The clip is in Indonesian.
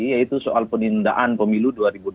yaitu soal penundaan pemilu dua ribu dua puluh empat